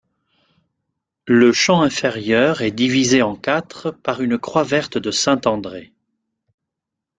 Le champ inférieur est divisé en quatre par une croix verte de Saint-André.